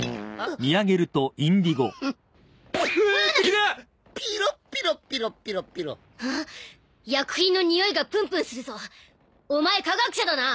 フッうーわ敵だッピーロピロピロピロあっ薬品のにおいがプンプンするぞお前科学者だな？